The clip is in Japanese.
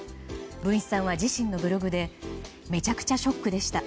文枝さんは自身のブログでめちゃくちゃショックでした。